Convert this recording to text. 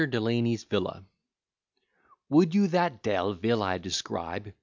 DELANY'S VILLA WOULD you that Delville I describe?